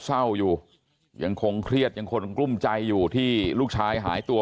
เศร้าอยู่ยังคงเครียดยังคงกลุ้มใจอยู่ที่ลูกชายหายตัว